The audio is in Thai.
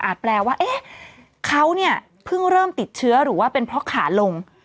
แปลว่าเอ๊ะเขาเนี่ยเพิ่งเริ่มติดเชื้อหรือว่าเป็นเพราะขาลง